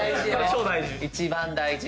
一番大事！